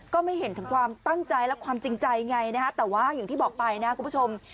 ก็ไม่เห็นถึงความตั้งใจและความจริงใจไงนะฮะแต่ว่าอย่างที่บอกไปนะคุณผู้ชม